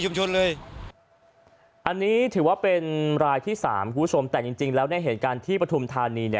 คุณผู้ชมแต่จริงแล้วในเหตุการณ์ที่ปฐมธานี